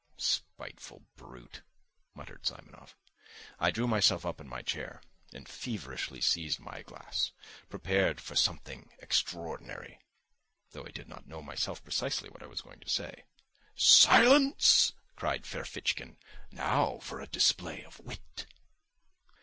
"Spiteful brute!" muttered Simonov. I drew myself up in my chair and feverishly seized my glass, prepared for something extraordinary, though I did not know myself precisely what I was going to say. "Silence!" cried Ferfitchkin. "Now for a display of wit!"